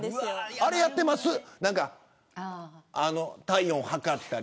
あれやってますか体温を測ったり。